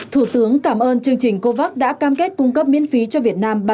thủ tướng cảm ơn chương trình covax đã cam kết cung cấp miễn phí cho việt nam